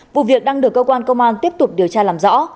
vụ việc đang được cơ quan công an tiếp tục điều tra làm rõ